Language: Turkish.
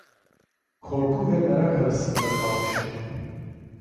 Korku ve merak arasında kalmıştım.